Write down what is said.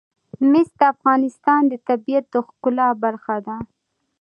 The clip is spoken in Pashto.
مس د افغانستان د طبیعت د ښکلا برخه ده.